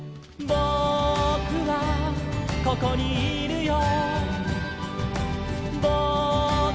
「ぼくはここにいるよ」